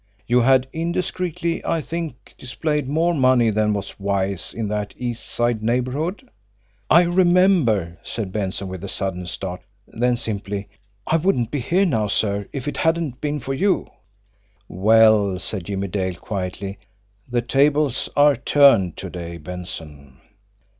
You had, indiscreetly, I think, displayed more money than was wise in that East Side neighbourhood." "I remember," said Benson, with a sudden start; then simply: "I wouldn't be here now, sir, if it hadn't been for you." "Well," said Jimmie Dale quietly, "the tables are turned to day, Benson.